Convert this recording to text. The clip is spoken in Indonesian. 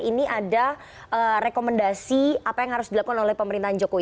ini ada rekomendasi apa yang harus dilakukan oleh pemerintahan jokowi